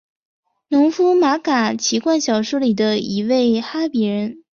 农夫马嘎奇幻小说里的一位哈比人。